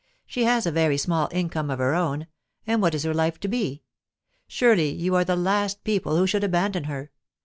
She has a very small income of her own, and what is her life to be? Surely you are the last people who should abandon her.